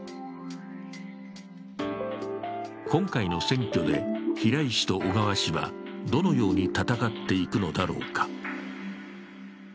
今回の選挙で平井氏と小川氏はどのように戦っていくのだろうか。